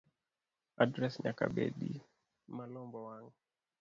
Adres nyaka bedi malombo wang